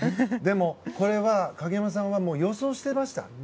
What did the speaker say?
でも、これは鍵山さんは予想していました？